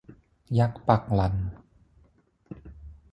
ยักษ์ปักหลั่น